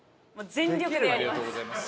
全力でやります。